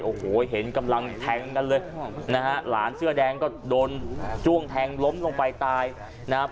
โอ้โหเห็นกำลังแทงกันเลยนะฮะหลานเสื้อแดงก็โดนจ้วงแทงล้มลงไปตายนะครับ